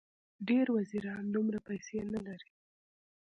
ډېر وزیران دومره پیسې نه لري.